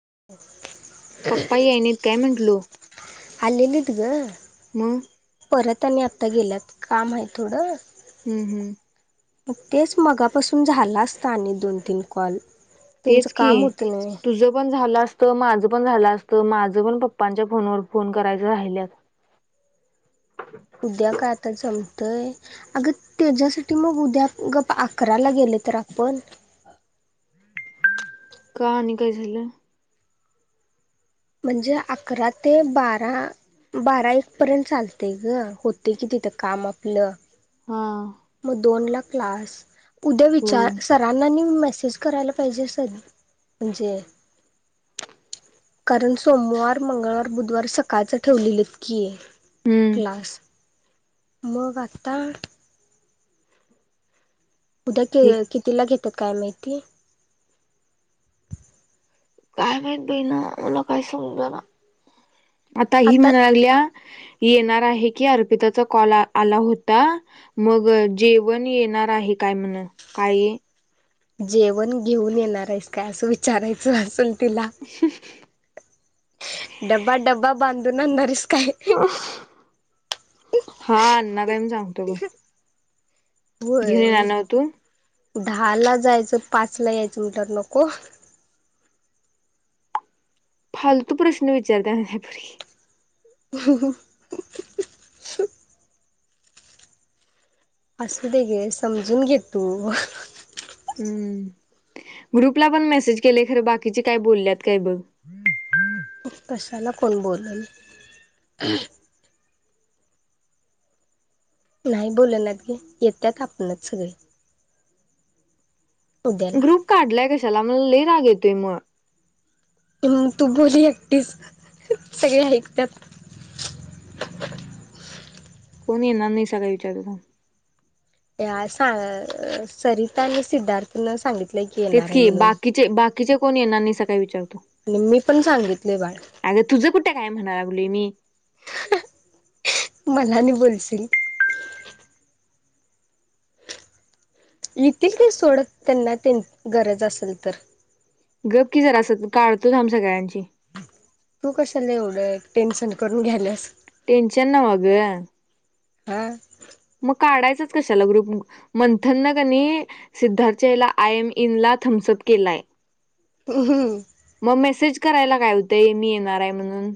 [unintelligible] पप्पा या नाहीत काय म्हटलो? आलेलीत गं. मगं? परत आणि आता गेल्यात काम आहे थोडं हम्म हम्म. तेच मगापासून झाला असता आणि दोन, तीन कॉल त्यांचं तेच की काम होतं नाही तुझ पण झालं असत माझं पण झालं असत माझं पण पप्पांच्या फोनवर फोन करायच राहिल्यात उद्या काय आता जम य अगं त्याच्यासाठी मग उद्या गप्प अकराला गेले तर आपण [unintelligible] का आणि काय झालं? म्हणजे अकरा ते बारा बारा एक पर्यंत चालते गं होते कि तिथं काम आपलं हा. मगं दोन ला क्लास उद्या होय विचार सरांना म्ह करायला पाहिजे म्हण कारण सोमवार, मंगळवार, बुधवार सकाळचं ठेवलेलंत कि हम्म क्लास मगं आता हे उद्या काय कितीला घेतात काय माहिती? काय माहित बाई ना मला काय समजना आता हि म्हणालागल्या येणार आहे की अर्पिताचा कॉल आला होता मगं जेवण येणार आहे काय म्हण काय?? जेवण घेऊन येणार आहेस काय अस विचारायचं असल डब्बा डब्बा बांधून ने अणार हायस काय हा अण्णा काय म सांगतो बघं [inaudible] दहा ला जायचं पाच ला यायचं म्हटल नको फालतू प्रश्न विचारतपरी ह. असू दे गे समजून घे तू. हम्म. ग्रुपला पण मेसेज केले खर बाकीचे काय बोलल्यात काय बघ. कशाला कोण बोलल? नाही बोलना घे येतत आपणच सगळे. उद्याला ग्रुप काढलाय कशाला मला लई राग येतोय मग- तू बोली एकटीच सगळे ऐकत्यात. [inaudible] कोण येणार नाही सगळे विचारू- या सा अ सरिता आणि सिद्धार्थ न सांगितलं. तेच की बाकीचे बाकीचे कोणी येणार नाही सग विचार- आणि मी पण सांगितले बाळ. कुठ काय मना लागलोय मी? [unintelligible] मनाने बोलशील. येतील कि ते सोडत त्यांना गरज असेल तर गप् कि जरा अस काढतोच आम्ही सगळ्यांची- तू कशाला एवढं टेन्शन करून घ्याल्यास. टेंशन ना मगग- हा. मग काढायचच कशाला ग्रुप मंथन न का नाही सिद्धार्थच्या आय एम इन ला- थमसप केलाय. ह हमम. मग मेसेज करायला काय होतंय मी येणार आहे म्हणून.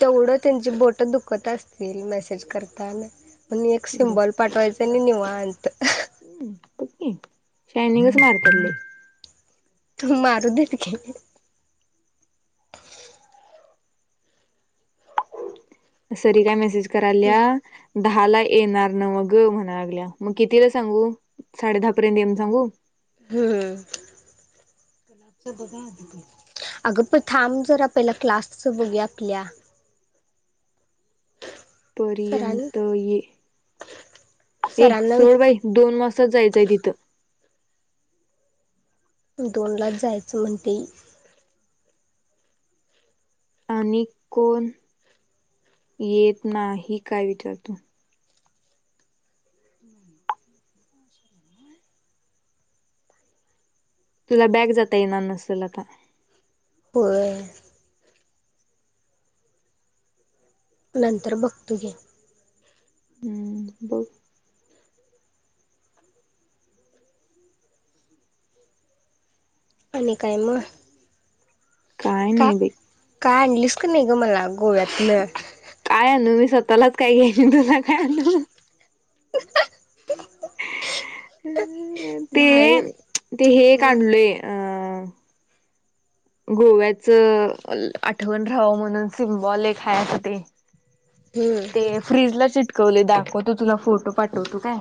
तेवढं त्यांची बोट दुखत असतील मेसेज करताना. म एक सिम्बॉल पाठवायचां आणि निवांत. हम् ब शायनिंगच मारतात लय. तू मारू देेत की. सरी काय मेसेज करायलीया- दहा ला येणार ना मगं म्हणा लागल्या- हम्म. अगं पण थांब जर आपल्याला क्लासच बघूया की या. सरांनी पर्यंत ये. ए सरांना सोड बाई दोन वासता जायचंय तिथं. दोन लाच जायचं म्हणते. आणि कोण येत नाही काय विचार तू. तुला बॅग जाता येणार नसेल आता. होय. नंतर बघतो की. हम्म बघ. आणि काय म? काय नाही बाई. काय आणलीस की नाही ग मला गोव्यातन? काय आणू मी स्वतःलाच काय घेन तुला काय आणू? अ ते नाही ते हे काढलय अं- गोव्याच आठवण राहावं म्हणून सिम्बॉल एक हाय आता ते. हम्म ते फ्रीजला चिटकवले दाखवतो तुला फोटो पाठवतो काय?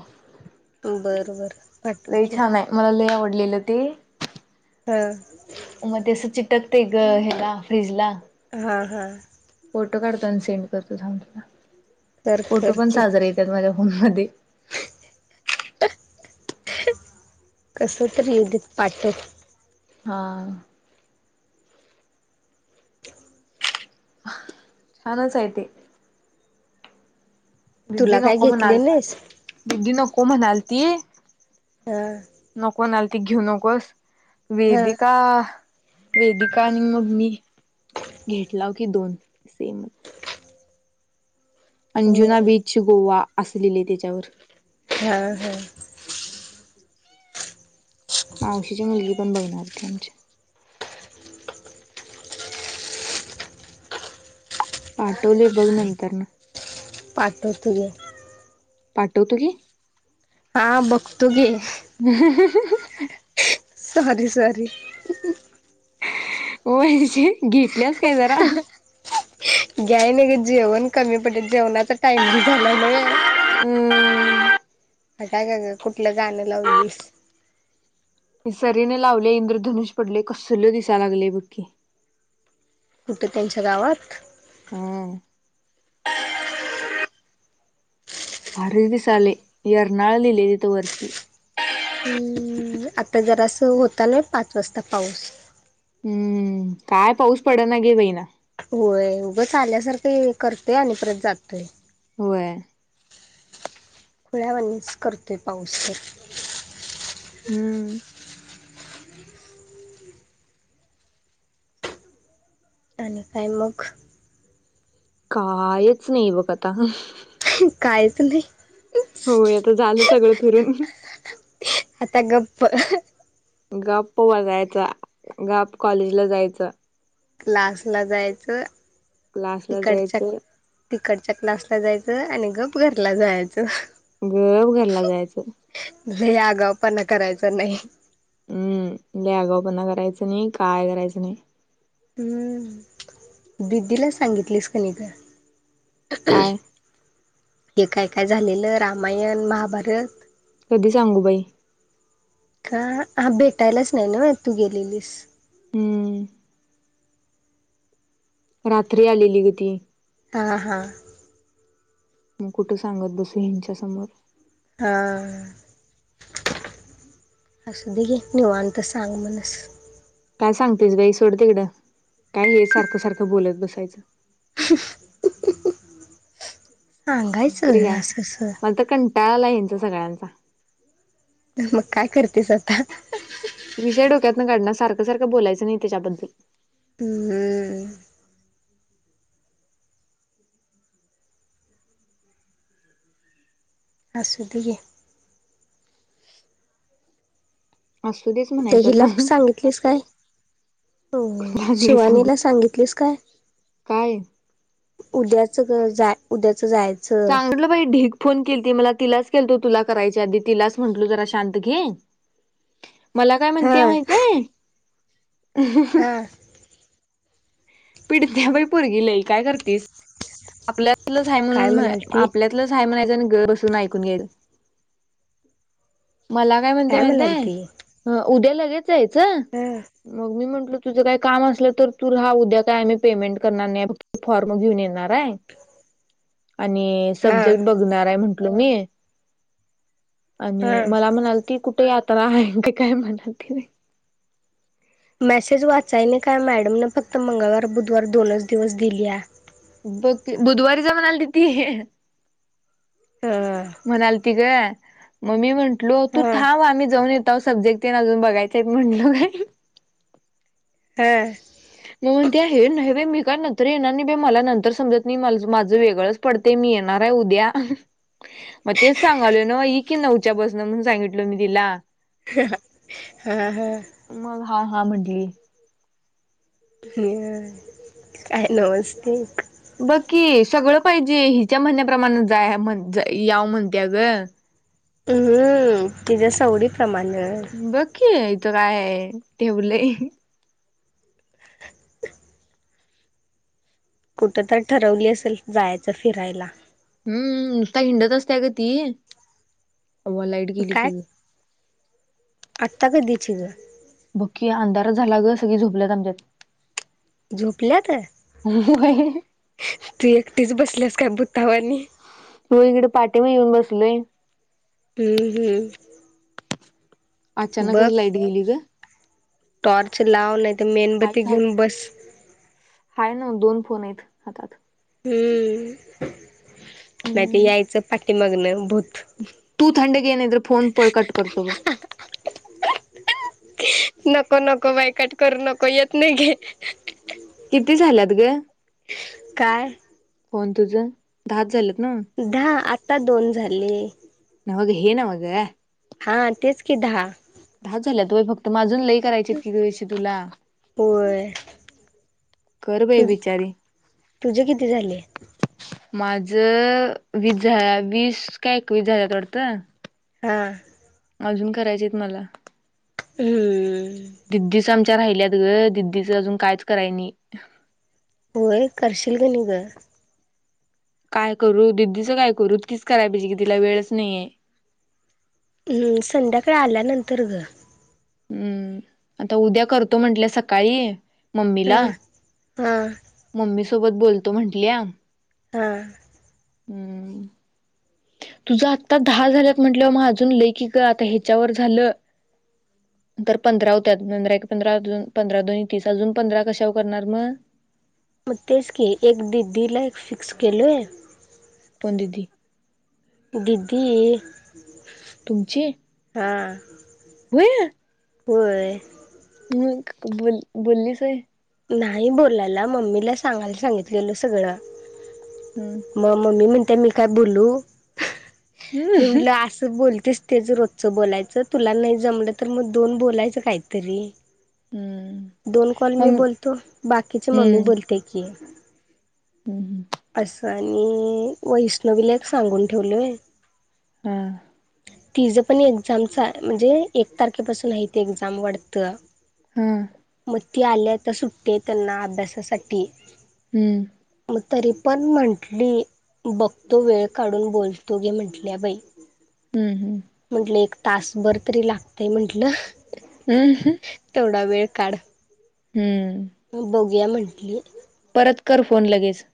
बरं बरं पाठव लय की छान आहे मला लय आवडलेलं ते. हा. टाकते ग ह फ्रीज ला. हां हां फोटो काढतो आणि सेंड करतो थांब तुला कर फोटो कर पण की साजरे येतात माझ्या फोम म कसं तर युगत पाठत हा छानच आहे ते दिदी तुला काय नको घेतले म्हणाल नाहीस दिदी नकोम हणालती ये हा कोणा आलती घेऊ नकोस हा वेदी का वेदिका आणि मग मी घेतलाव की दोन सेमच हो अंजुना बीच गोवा असलेली तिच्यावर हा हा मावशीची मुलगी पण बघणारती आमच्या पाठवले बघ नंतर न पाठवतो ग पाठवतु की हा भघतो घे हहहहहहहह सॉरी सॉरी होय जे घेतल्यासस काय जरा घ्याय नाही ग जेवण कमी पडेे जेवणाचा टाइमिंग झालाय ना या अ अगं अगं काय का ग कुठलं गाणं णं लावलेलीस सरीने लावल्या इंद्रधनुष पडलय कसल दिसाय लागलय बक्की कुठे त्यांच्या गावात हम्म भारी दिसायलय येर्नाळ लिहिलय तिथं वरती हम्म आता जरा असं होत नाही पाच वाजता पाऊस हम्म काय पाऊस पडना गे बहिना होय उगंच आल्यासारखं करतय आणि परत जातोय होय खुळ्यावानीच करतोय पाऊस तर हम्म आणि काय मग कायच नाही बघ आता काहीच नाही हो आता झालं सगळं फिरून आता गप्प गप वगायच गप कॉलेजला जायचं ला्स ला जायचं क्लास ला जायचं तिकटच्या क्लासला जायचं आणि गप घरला जायचं गब घरला जायचं हे अगावपणा करायचं नाही हम्म ल अगा पणना करायचं नाही काय करायचं नाही हम्म दिदिला सांगितलीस का नि तर काय हे काय काय झालेलं रामायण महाभारत कधी सांगू बाई का हा भेटायलाच नाही ना तू गेलेलीस हम्म रात्री आलेली ग ती हां हां मग कुठं सांगत बसू हच्या समोर हा असू दे घे निवांत सांग मनस काय सांगतेस बाई सोड तिकडं काय हे सारखं सारखं बोलत बसायचं सांगायच तरी ना काय असस मला तर कंटाळा आलाय यांच्या सगळ्यांचा मग काय करतेस आता विषय डोक्यातनं काढणा सारखं सारखं बोलायचं नाही तीच्याबद्दल हम्म असू धेघे असू देच ते म्हणायचं हिला आता सांगितलीस काय ह् कुणाला काय सांगू शिवानीला सांगितलीस का काय? काय? तूझंच आहे उद्या चांगलं बाई ढिग फोन केलती मला तिलाच केलतो तुला करायच्या आधी तिलाच म्हंटलो जरा शांत घे मला काय हा म्हणती या माहीत आहे ह् हा पिडतिया बाई पोरगी लई काय करतिस आपल्यातलंच आहे काय म्हणून म्हणाल ती आपल्यातलंच आहे म्हणायचं [inaudible] गप्प बसून ऐकून घ्याचं मला काय म्हणते माहिती म्हणाल ती आहे उद्या लगेच जायचं हा मग मी म्हंटलो तुझं काय काम असलं तर तू राहा उद्या काय मी पेमेंट करणार नाही फक्त फॉर्म घेऊन येणार आहे आणि हा सब्जेक्ट बघणार आहे म्हंटल मी हा आणि मला म्हणालती कुठे यात्रा आहे काय म्हणालंती बाई मेसेज वाच्याय नाही काय मॅडमनं फक्त मंगळवार बुधवार दोनच दिवस दिली बघ कि बुधवारी जा म्हणालती ती हा म्हणालती गं म मी म्हंटलो तू हा थांब आम्ही जाऊन येतो सब्जेक्ट तेण अजून बघायचं आहे म्हंटलो का हा ते आहे नाही बाई मी काय नंतर येणार नाही बाई मला नंतर समजत नाही माझं वेगळंच पडते मी येणार आहे उद्या [inaudible] मग तेच सांगालोय नव्हं इकि नऊच्या बसन म्हणून सांगितलो मी तिला हा हा मग हा हा म्हंटली काय नव्हंच ते. बघ की सगळं पाहिजे हिच्या म्हणण्याप्रमाण जा म्हणं याव म्हणतीया गं ह् हम्म तिच्या्या सावडीत बघं की इथं काय ठेवलं. कुठं तर ठरवली असेल जायचं फिरायला हम्म निसता हिंडत असतीया गं ती अव्वा लाईट गेली की काय ग आता कधीची गं बघं की अंधार झाला गं सगळी झोपल्यात आमच्यातील झोपल्यात होय तू एकटीच बसल्यास काय बघ तवनी होय इकडं पाटीमागं येऊन बसलोय. हम्म हम्म बघ अचानकच लाईट गेली गं टॉर्च लाव नाही तर मेणबत्ती आहेत आहेत घेऊन बस हाय नव्हं दोन फोन आहेत हातात, हम्म माहिती हम्म. यायचं पाठीमागन भूत तू थंड घे नाही तर फोन पळ कट करतो बघ नको नको बाई कट करू नको येत नाही घे ह् किती झाल्यात गं काय फोन तुझं दहाच झालं? दहा आत्ता दोन झाले नव्हं हे नव्हं गं हा तेच कि दहा दहा झालंत व्हंय फक्त म अजून लई करायचे आहेत कि विषू तुला कर बाई तू बिचारी तुझे किती झाले? माझ वीस झा वीस का एकवीस झाल्या वाटते हा अजून करायचेत मला हम्म दिद्दीच आमच्या राहिल्यात ग दिद्दीच अजून कायच कराय नाही होय कर्शील घ नि ग काय करू दीदीचा काय करूचं काय करूकीच कराय पाहिजे की तिला वेळच नाहीये हम्म संध्याकाळी आल्यानंतर ग हम्म आता उद्या करतो म्हंटल्या सकाळी हा मम्मीला हा मम्मी सोबत बोलतो म्हटल्या हा हम्म [inaudible] तुझं आत्ता दहा झाल्यात म्हंटलंवर म अजून लैकी ग आता ह्याच्यावर झालं ह [inaudible] तर पंधरा होत्या पंधरा पंधरा पंधरा दोन तीस अजून पंधरा कशावर करणार मग मग तेच की एक दी दी ला फिक्स केलो आहे बंददी दीदी तुमची हा होय होय ह बोल बोललीस आहे नाही बोलायला मम्मीला सांगायला सांगित गेल सगळं हम्म मग मम्मी म्हणते मी काय बोलू हम्म मी म्हंटलं असं बोलत तेच तेच रोजचं बोलायचं तुला नाही जमलं तर मग दोन बोलायचं काहीतरी हम्म दोन काॅल मी मम बोलतो बाकीचे मम्मी हम्म बोलते की हम्म असं आणि वैष्णवीला एक सांगून ठेवलय हा तिचं पण एक्झामच म्हणजे एक तारखेपासून आहे ते एक्झाम वाढत हा ती आल्या तर सुटते त्यांना अभ्यासासाठी हम्म मग तरी पण म्हटली बघतो वेळ काढून बोलतो गे म्हटल्या बाई हम्म हम्म म्हंटलं एक तासभर तरी लागतय म्हटलं हम् ह थोडा वेळ काढ हम्म बघूया म्हटली परत कर फोन लगेच